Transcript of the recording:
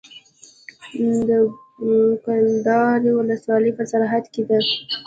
د کلدار ولسوالۍ په سرحد کې ده